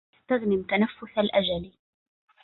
اسْتَغْنِمْ تَنَفُّسَ الْأَجَلِ